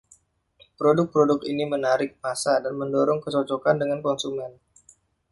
Produk-produk ini menarik massa dan mendorong kecocokan dengan konsumen.